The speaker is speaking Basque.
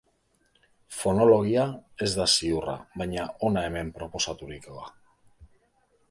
Fonologia ez da ziurra baina hona hemen proposaturikoa.